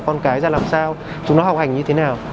con cái ra làm sao chúng nó học hành như thế nào